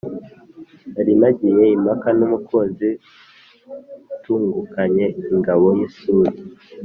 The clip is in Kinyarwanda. nari nagiye impaka n'umukinzi utungukanye ingabo y'isuli